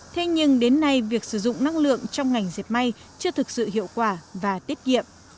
thế nhưng đến nay việc sử dụng năng lượng trong ngành dẹp may chưa thực sự hiệu quả và tiết kiệm